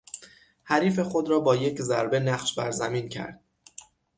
حریف خود را با یک ضربه نقش بر زمین کرد.